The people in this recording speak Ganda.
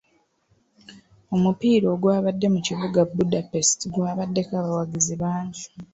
Omupiira ogwabadde mu kibuga Budapest gwabaddeko abawagizi bangi.